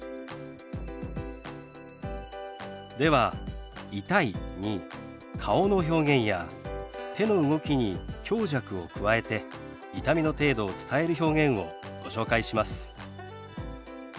では「痛い」に顔の表現や手の動きに強弱を加えて痛みの程度を伝える表現をご紹介します。